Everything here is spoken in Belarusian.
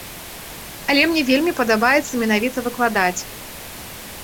Але мне вельмі падабаецца менавіта выкладаць.